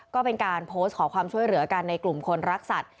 ก็เป็นการโพสต์ขอความช่วยเหลือกันในกลุ่มคนรักสัตว